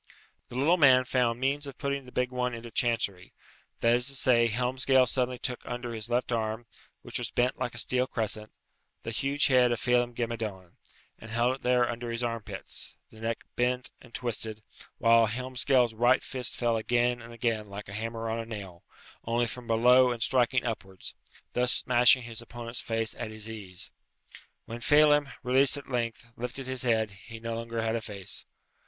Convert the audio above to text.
The little man found means of putting the big one into chancery that is to say, Helmsgail suddenly took under his left arm, which was bent like a steel crescent, the huge head of Phelem ghe Madone, and held it there under his armpits, the neck bent and twisted, whilst Helmsgail's right fist fell again and again like a hammer on a nail, only from below and striking upwards, thus smashing his opponent's face at his ease. When Phelem, released at length, lifted his head, he had no longer a face.